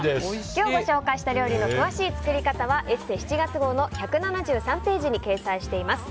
今日ご紹介した料理の詳しい作り方は「ＥＳＳＥ」７月号の１７３ページに掲載しています。